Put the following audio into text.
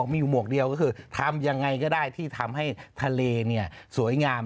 มีหมวกเดียวก็คือทำอย่างไรก็ได้ที่ทำให้ทะเลสวยงาม